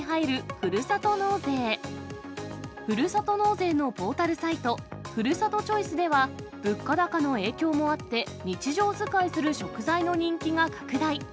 ふるさと納税のポータルサイト、ふるさとチョイスでは、物価高の影響もあって、日常使いする食材の人気が拡大。